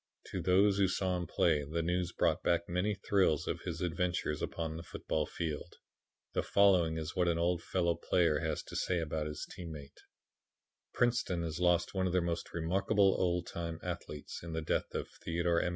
To those who saw him play the news brought back many thrills of his adventures upon the football field. The following is what an old fellow player has to say about his team mate: "Princeton has lost one of her most remarkable old time athletes in the death of Theodore M.